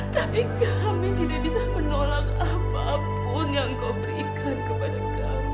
tapi kami tidak bisa menolak apapun yang kau berikan kepada kami